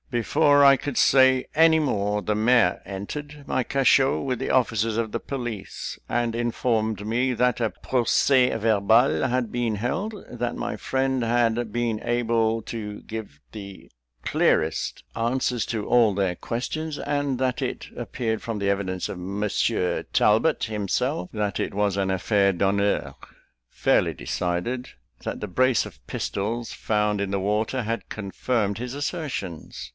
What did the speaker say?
Before I could say more, the mayor entered my cachot with the officers of the police, and informed me that a procès verbal had been held; that my friend had been able to give the clearest answers to all their questions; and that it appeared from the evidence of Monsieur Talbot himself, that it was an affair d'honneur, fairly decided; that the brace of pistols found in the water had confirmed his assertions.